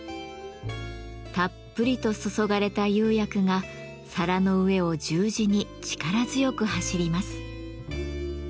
たっぷりと注がれた釉薬が皿の上を十字に力強く走ります。